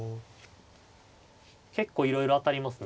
結構いろいろ当たりますね。